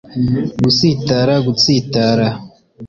gusitara, gutsitara